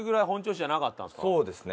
そうですね。